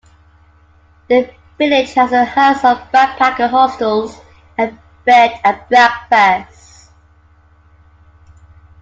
The village has a host of backpacker hostels and Bed and Breakfasts.